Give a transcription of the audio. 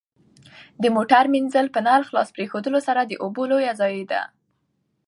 د موټر مینځل په نل خلاص پرېښودلو سره د اوبو لوی ضایع ده.